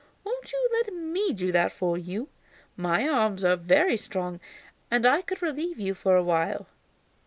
Won't you let me do that for you? My arms are very strong, and I could relieve you for a little while!"